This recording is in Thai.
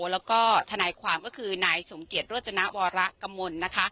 แล้วก็ทนายความก็คือนายสมเกียจโรจนวรกมลนะคะ